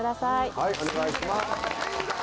はいお願いします。